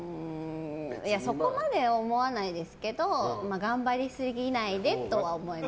そこまで思わないですけど頑張り過ぎないでとは思います。